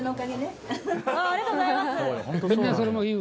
ありがとうございます。